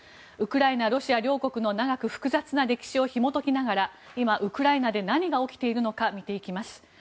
ウクライナ、ロシア両国の長く複雑な歴史をひも解きながら今、ウクライナで何が起きているのか見ていきます。